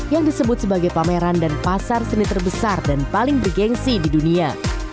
yang disebut sebagai pameran dan pasar seni terbesar dan paling bergensi di dunia